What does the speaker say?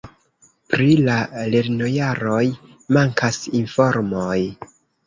Pri la lernojaroj mankas informoj.